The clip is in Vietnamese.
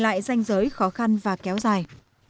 lại danh giới khó khăn và kéo dài